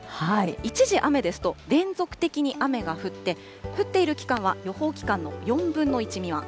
一時雨ですと、連続的に雨が降って、降っている期間は予報期間の４分の１未満。